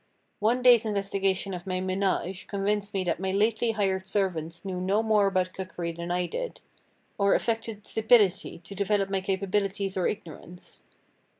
One day's investigation of my ménage convinced me that my lately hired servants knew no more about cookery than I did, or affected stupidity to develop my capabilities or ignorance.